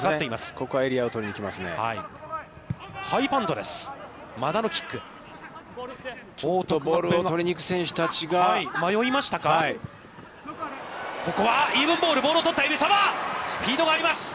ここはエリアを取りに行きますね。